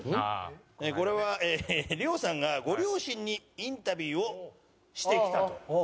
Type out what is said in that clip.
これは亮さんがご両親にインタビューをしてきたと。